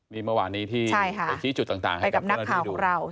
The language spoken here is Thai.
มีเมื่อวานนี้ที่ไปคิดจุดต่างให้กับคนอื่นดู